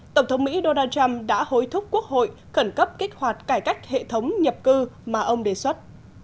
tổng thống mỹ donald trump đã hối thúc quốc hội khẩn cấp kích hoạt cải cách hệ thống nhập cư mà ông đề xuất